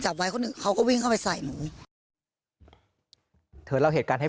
ไว้คนหนึ่งเขาก็วิ่งเข้าไปใส่หนูเธอเล่าเหตุการณ์ให้